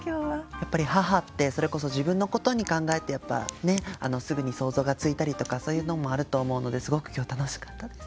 やっぱり母って自分のことに考えてすぐに想像がついたりとかそういうのもあると思うのですごく今日楽しかったです。